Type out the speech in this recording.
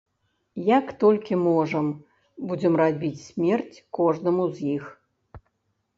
Як толькі можам, будзем рабіць смерць кожнаму з іх.